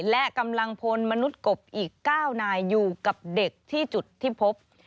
และกำลังพลมนุษย์กบอีก๙นายอยู่กับเด็กที่จุดที่พบ